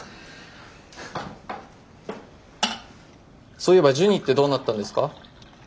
そういえばジュニってどうなったんですか？